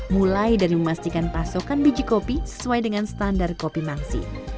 mulai dari memastikan pasokan biji kopi sesuai dengan standar kopi mangsi